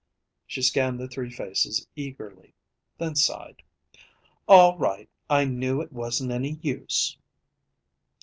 She scanned the three faces eagerly, then sighed. "All right. I knew it wasn't any use."